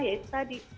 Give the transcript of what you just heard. ya itu tadi